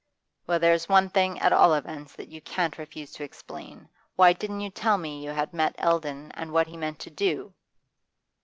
'Well, there's one thing, at all events, that you can't refuse to explain. Why didn't you tell me that you had met Eldon, and what he meant to do?